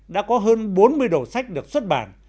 đã có hơn bốn mươi đầu sách được xuất bản